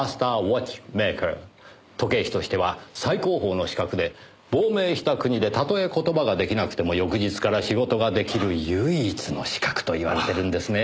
時計師としては最高峰の資格で亡命した国でたとえ言葉が出来なくても翌日から仕事が出来る唯一の資格と言われてるんですね。